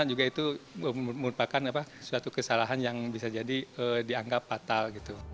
juga itu merupakan suatu kesalahan yang bisa jadi dianggap fatal gitu